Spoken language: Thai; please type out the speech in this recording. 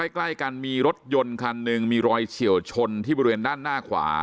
ใกล้กันมีรถยนต์คันหนึ่งมีรอยเฉียวชนที่บริเวณด้านหน้าขวา